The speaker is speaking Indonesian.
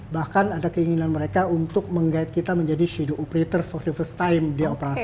bahkan ada keinginan mereka untuk meng guide kita menjadi shadow operator for the first time di operasi